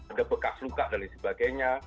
ada bekas luka dan lain sebagainya